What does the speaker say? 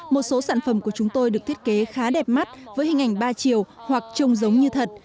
một số sản phẩm của chúng tôi được thiết kế khá đẹp mắt với hình ảnh ba chiều hoặc trông giống như thật